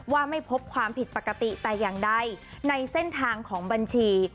ว่าไม่พบความผิดปกติแต่อย่างใดในเส้นทางของบัญชี